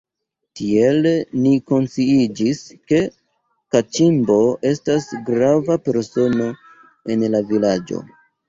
Tiel ni konsciiĝis, ke Kaĉimbo estas grava persono en la vilaĝo.